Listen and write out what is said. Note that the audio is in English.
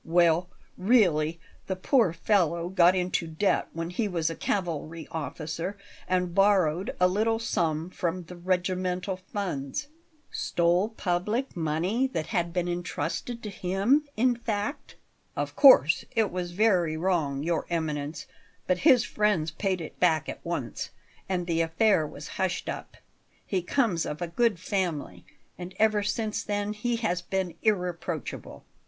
"Well, really the poor fellow got into debt when he was a cavalry officer, and borrowed a little sum from the regimental funds " "Stole public money that had been intrusted to him, in fact?" "Of course it was very wrong, Your Eminence; but his friends paid it back at once, and the affair was hushed up, he comes of a good family, and ever since then he has been irreproachable.